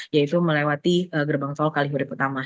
yaitu melewati gerbang tol kalihurip utama